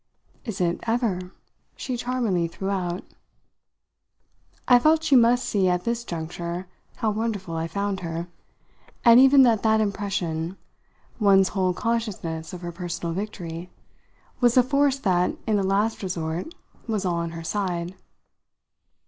"Is it ever?" she charmingly threw out. I felt she must see at this juncture how wonderful I found her, and even that that impression one's whole consciousness of her personal victory was a force that, in the last resort, was all on her side.